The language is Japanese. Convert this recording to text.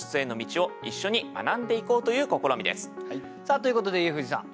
ということで家藤さん